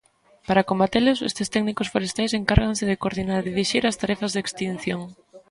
Para combatelos, estes técnicos forestais encárganse de coordinar e dirixir as tarefas de extinción.